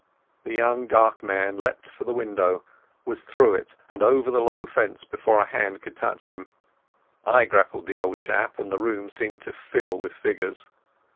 The young dark man leapt for the window, was through it, and over the low fence before a hand could touch him. I grappled the old chap, and the room seemed to fill with figures.